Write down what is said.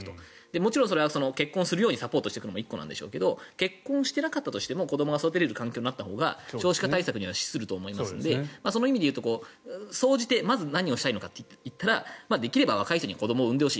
もちろんそれは結婚するようにサポートしていくのがもちろんなんでしょうけど結婚してなかったとしても子どもが育てられる環境にしたほうが少子化対策には資すると思うのでその意味で言うと総じてまず何をしたいのかというと若い人に子どもを生んでほしい。